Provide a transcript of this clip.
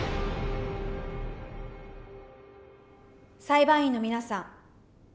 裁判員の皆さん